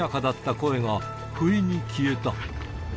声がふいに消えた。